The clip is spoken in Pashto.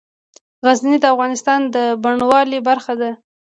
غزني د افغانستان د بڼوالۍ برخه ده.